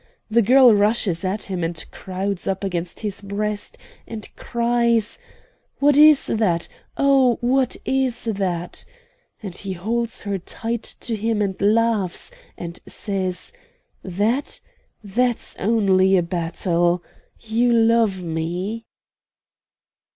The girl rushes at him and crowds up against his breast, and cries: 'What is that? Oh, what is that?' and he holds her tight to him and laughs, and says: 'THAT? That's only a battle you love me.'"